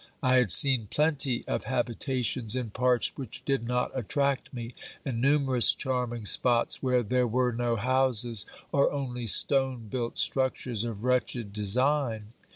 I had seen plenty of habitations in parts which did not attract me, and numerous charming spots where there were no houses, or only stone built structures of wretched design.